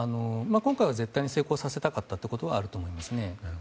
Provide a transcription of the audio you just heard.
今回は絶対に成功させたかったことはあると思います。